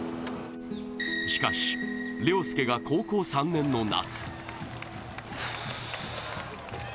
しかし、稜佑が高校３年の夏。